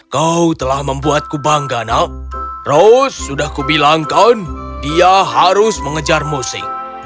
kau telah membuatku bangga nak rose sudah kubilangkan dia harus mengejar musik